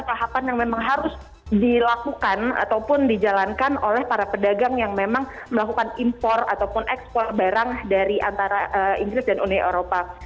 tahapan yang memang harus dilakukan ataupun dijalankan oleh para pedagang yang memang melakukan impor ataupun ekspor barang dari antara inggris dan uni eropa